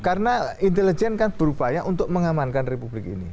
karena intelijen kan berupaya untuk mengamankan republik ini